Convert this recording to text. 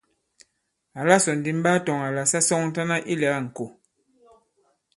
Àla sɔ̀ ndì m ɓaa tɔ̄ŋ àlà sa sɔŋtana ilɛ̀ga ìŋkò.